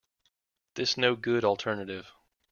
This no good alternative.